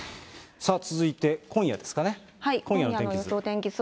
続いて今夜ですかね、今夜の予想天気図。